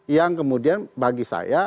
yang kemudian bagi saya